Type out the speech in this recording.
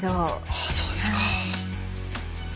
ああそうですか。